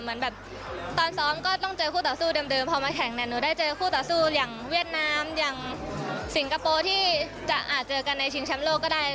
เหมือนแบบตอนซ้อมก็ต้องเจอคู่ต่อสู้เดิมพอมาแข่งเนี่ยหนูได้เจอคู่ต่อสู้อย่างเวียดนามอย่างสิงคโปร์ที่จะอาจเจอกันในชิงแชมป์โลกก็ได้